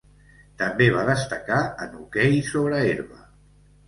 També va destacar en hoquei sobre herba.